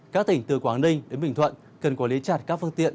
các tỉnh từ quảng ninh đến bình thuận cần quản lý chặt các phương tiện